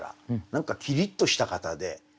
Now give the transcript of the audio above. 何かキリッとした方で。